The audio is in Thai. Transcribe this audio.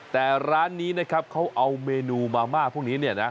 แต่ร้านนี้เขาเอาเมนูมาม่าพวกนี้